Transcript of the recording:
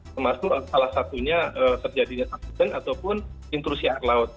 termasuk salah satunya terjadinya subsiden ataupun intrusi air laut